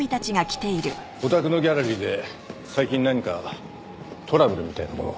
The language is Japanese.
おたくのギャラリーで最近何かトラブルみたいなものは？